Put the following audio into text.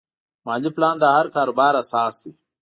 مالي پلان د هر کاروبار اساس دی.